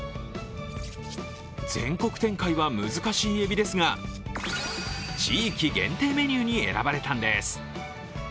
全国展開は難しいえびですが地域限定メニューに選ばれたんです。